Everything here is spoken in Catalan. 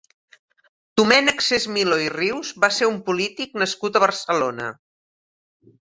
Domènec Sesmilo i Rius va ser un polític nascut a Barcelona.